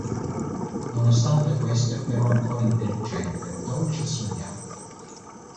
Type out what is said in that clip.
Nonostante questo è però ancora intelligente, dolce e sognante.